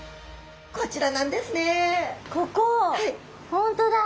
本当だ！